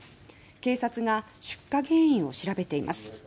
警察が出火原因を調べています。